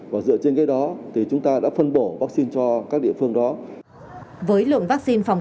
và dựa trên cái đó thì chúng ta đã phân bổ vaccine cho các địa phương đó với lượng vaccine phòng